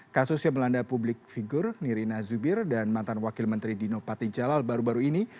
kasus yang melanda publik figur nirina zubir dan mantan wakil menteri dino patijalal baru baru ini